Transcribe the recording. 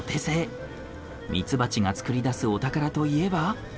ミツバチが作り出すお宝といえば。